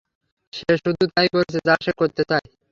সে শুধু তাই করছে যা সে করতে চায়।